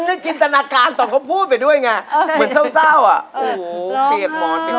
ไม่หรอกเปียกหมอนเปียกที่นอน